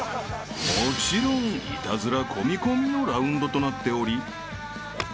［もちろんイタズラこみこみのラウンドとなっており］